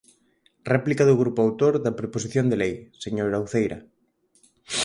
Réplica do grupo autor da proposición de lei, señora Uceira.